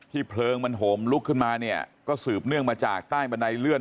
เพลิงมันโหมลุกขึ้นมาเนี่ยก็สืบเนื่องมาจากใต้บันไดเลื่อน